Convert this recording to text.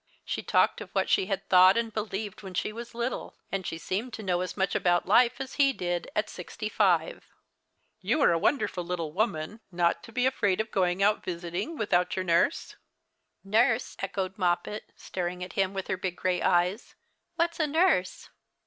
She talked of what she had thought and believed when she was little ; and she seemed to know as much about life as he did, at sixty five. " You are a wonderful little woman, not to be afraid of going out visiting without your nurse ?"" Nurse ?" echoed Moppet, staring at him with her big grey eyes ;" what's a nurse